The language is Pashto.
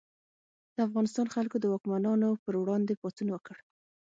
د افغانستان خلکو د واکمنانو پر وړاندې پاڅون وکړ.